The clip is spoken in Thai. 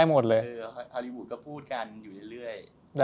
ฮอลลีวูดก็พูดกันอยู่เรื่อย